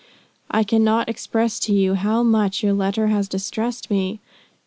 I cannot express to you how much your letter has distressed me.